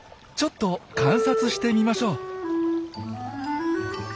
ちょっと観察してみましょう。